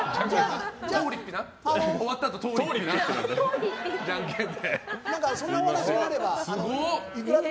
終わったあと、とおりっぴな。